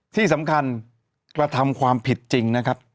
ที่สำคัญก็ทำความผิดจริง